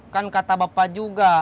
kan kata bapak juga